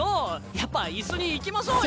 やっぱ一緒に行きましょうよ。